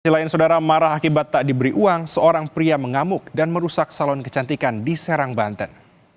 selain saudara marah akibat tak diberi uang seorang pria mengamuk dan merusak salon kecantikan di serang banten